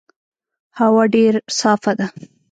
هوا ډېر صافه ده.